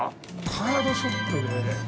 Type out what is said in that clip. カードショップで。